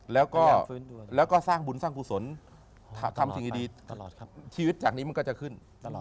แล้วก็สร้างบุญสร้างผู้สนทำสิ่งดีชีวิตจากนี้มันก็จะขึ้น